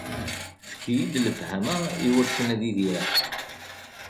Efk-iyi-d lefhama iwakken ad idireɣ.